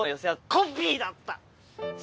そうコピーだった。